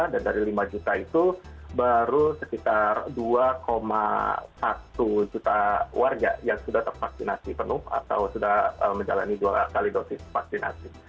dan dari lima juta itu baru sekitar dua satu juta warga yang sudah tervaksinasi penuh atau sudah menjalani doa